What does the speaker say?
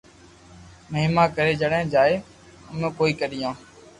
مھيما ڪري جڻي جائين امو ڪوئي ڪريو